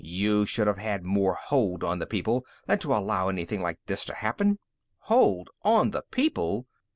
You should have had more hold on the people than to allow anything like this to happen." "Hold on the people!"